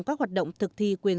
các quốc gia đang pát triển